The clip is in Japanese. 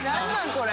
これ。